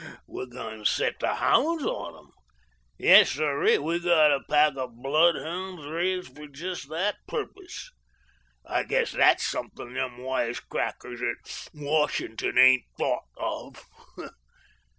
We're going to set the hounds on 'em. Yes, sirree, we've got a pack of bloodhounds, raised for jest that purpose. I guess that's something them wisecrackers at Washington ain't thought of.